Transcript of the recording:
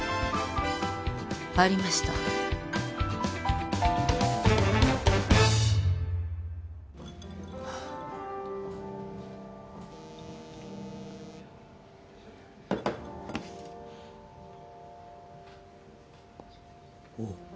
ありましたおっ